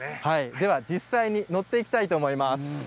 実際に乗っていきたいと思います。